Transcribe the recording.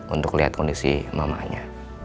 untuk liat kondisi mamanya